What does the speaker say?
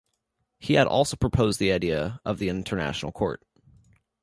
He had also proposed the idea of the International Court.